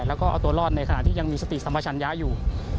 แล้วก็เอาตัวรอดในขณะที่ยังมีสติสัมปชัญญะอยู่